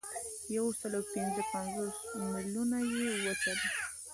یوسلاوپینځهپنځوس میلیونه یې وچه ده.